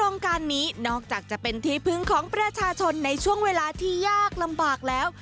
โครงการนี้นอกจากจะเป็นที่พึ่งของประชาชนในช่วงเวลาที่ยากลำบากแล้ว